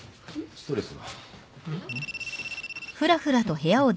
ストレス？